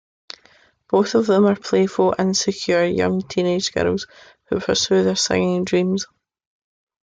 Both of them are playful, insecure, young teenage girls who pursue their singing dreams.